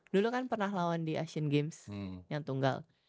dulu kan pernah lawan di asian games yang tunggal